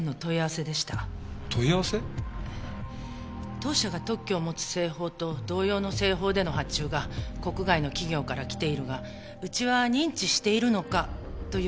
当社が特許を持つ製法と同様の製法での発注が国外の企業から来ているがうちは認知しているのか？という内容でした。